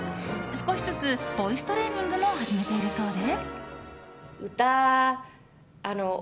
少しずつボイストレーニングも始めているそうで。